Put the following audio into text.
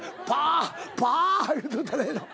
言うとったらええの？